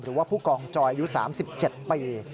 หรือว่าผู้กองจอยอยู่๓๗ปี